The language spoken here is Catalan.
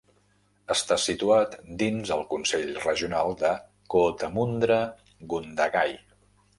Està situat dins el Consell Regional de Cootamundra-Gundagai.